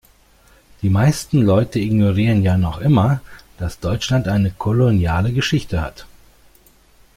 Die meisten Leute ignorieren ja noch immer, dass Deutschland eine koloniale Geschichte hat.